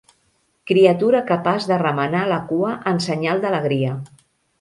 Criatura capaç de remenar la cua en senyal d'alegria.